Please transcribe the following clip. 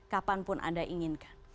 kapanpun anda inginkan